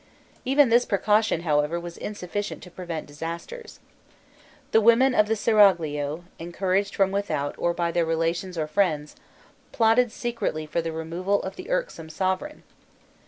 Even this precaution, however, was insufficient to prevent disasters. The women of the seraglio, encouraged from without by their relations or friends, plotted secretly for the removal of the irksome sovereign.